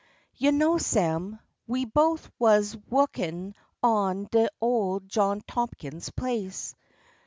You know Sam. We both wuz wukin' on de ole John Tompkin's place.